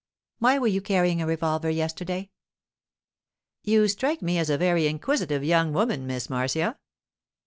'Why were you carrying a revolver yesterday?' 'You strike me as a very inquisitive young woman, Miss Marcia.